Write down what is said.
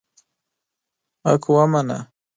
حق ومنه.